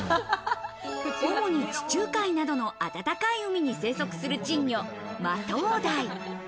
主に地中海などの暖かい海に生息する珍魚・マトウダイ。